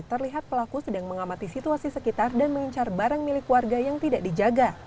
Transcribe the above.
terlihat pelaku sedang mengamati situasi sekitar dan mengincar barang milik warga yang tidak dijaga